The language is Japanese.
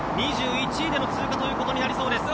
２１位での通過となりそうです。